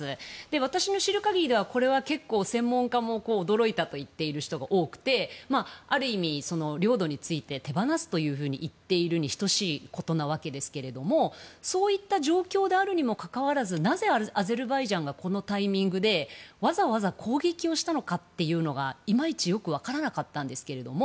私の知る限りではこれは専門家でも驚いたと言っている人が多くてある意味、領土について手放すと言っているに等しいことなわけですけれどもそういった状況であるにもかかわらずなぜアゼルバイジャンがこのタイミングでわざわざ攻撃をしたのかがいまいち、よく分からなかったんですけれども。